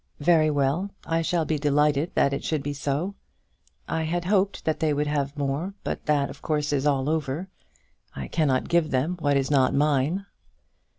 "Very well; I shall be delighted that it should be so. I had hoped that they would have had more, but that of course is all over. I cannot give them what is not mine."